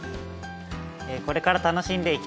これから楽しんでいきたいと思います！